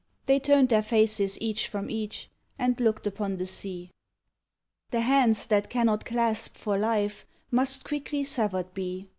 They turned their faces each from each, And looked upon the sea. The hands that cannot clasp for life, Must quickly severed be.